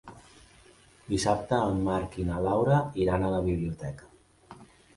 Dissabte en Marc i na Laura iran a la biblioteca.